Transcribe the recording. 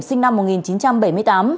sinh năm một nghìn chín trăm bảy mươi tám